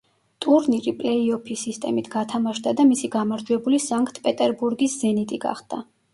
ტურნირი პლეი-ოფის სისტემით გათამაშდა და მისი გამარჯვებული სანქტ-პეტერბურგის „ზენიტი“ გახდა.